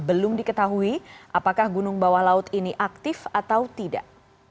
belum diketahui apakah gunung bawah laut ini aktif atau tidak